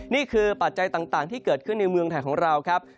ปัจจัยต่างที่เกิดขึ้นในเมืองไทยของเราครับ